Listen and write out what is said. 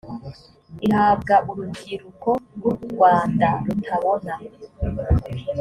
ihabwa urubyiruko rw’ urwanda rutabona